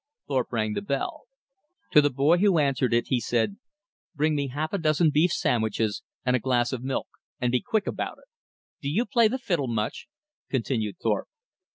Thorpe rang the bell. To the boy who answered it he said: "Bring me half a dozen beef sandwiches and a glass of milk, and be quick about it." "Do you play the fiddle much?" continued Thorpe.